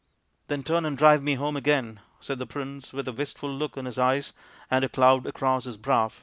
" Then turn and drive me home again," said the prince, with a wistful look in his eyes and a cloud across his brow.